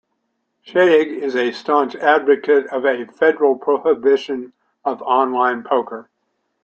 Shadegg is a staunch advocate of a federal prohibition of online poker.